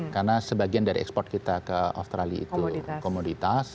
karena sebagian dari ekspor kita ke australia itu komoditas